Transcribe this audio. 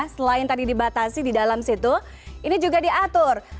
selain tadi dibatasi di dalam situ ini juga diatur